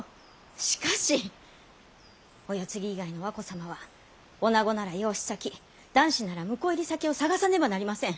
しかしお世継ぎ以外の和子様は女子なら養子先男子なら婿入り先を探さねばなりません！